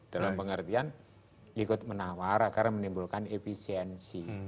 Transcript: dalam pengertian ikut menawar agar menimbulkan efisiensi